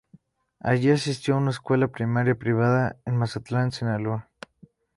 Allí asistió a una escuela primaria privada en Mazatlán, Sinaloa.